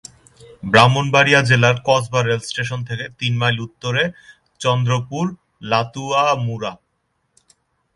ব্রাহ্মণবাড়িয়া জেলার কসবা রেলস্টেশন থেকে তিন মাইল উত্তরে চন্দ্রপুর-লাতুয়ামুড়া।